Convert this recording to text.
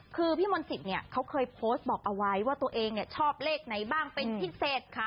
คือพี่มนต์สิทธิ์เขาเคยโพสต์บอกเอาไว้ว่าตัวเองชอบเลขไหนบ้างเป็นพิเศษ